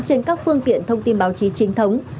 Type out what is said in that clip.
trên các phương tiện thông tin báo chí trinh thống